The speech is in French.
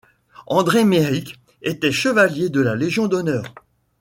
André Méric était chevalier de la Légion d'honneur.